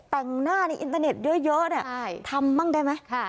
แต่งหน้าในอินเตอร์เน็ตเยอะเนี่ยทำบ้างได้ไหม